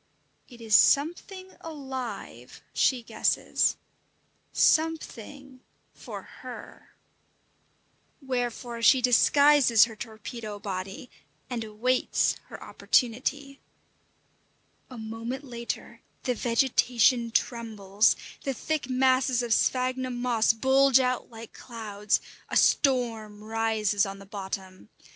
It is something alive, she guesses something for her! Wherefore she disguises her torpedo body, and awaits her opportunity. A moment later the vegetation trembles, the thick masses of sphagnum moss bulge out like clouds, a storm rises on the bottom.